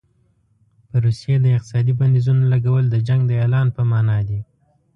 په روسیې د اقتصادي بندیزونو لګول د جنګ د اعلان په معنا دي.